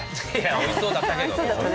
おいしそうだった。